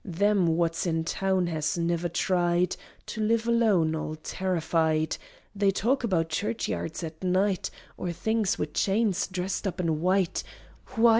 Them what's in towns has niver tried To live aloan, all terrified; They talk about churchyards at night, Or things wi' chains dressed up in white: Why!